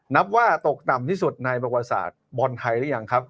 นับว่าตกต่ำที่สุดในประวัติศาสตร์บอลไทยหรือยังครับ